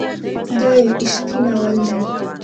دا يو عشقي ناول دی.